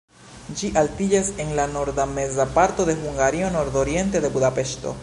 Ĝi altiĝas en la norda-meza parto de Hungario, nordoriente de Budapeŝto.